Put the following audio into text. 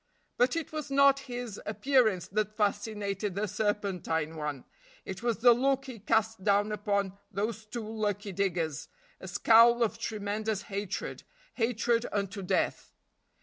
But it was not his appearance that fascinated the serpentine one, it was the look he cast down upon those two lucky diggers; a scowl of tremendous hatred hatred unto death.